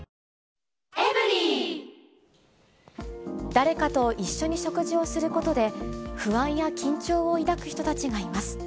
誰かと一緒に食事をすることで、不安や緊張を抱く人たちがいます。